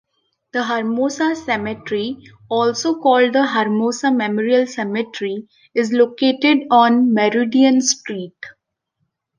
The Hermosa Cemetery, also called the Hermosa Memorial Cemetery, is located on Meridian Street.